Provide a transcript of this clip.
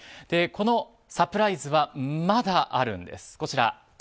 このサプライズはまだあるんです、こちら。